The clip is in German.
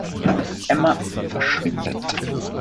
Emma verschwindet.